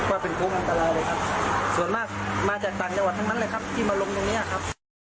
ว่าเป็นโค้งอันตรายเลยครับส่วนมากมาจากต่างจังหวัดทั้งนั้นเลยครับ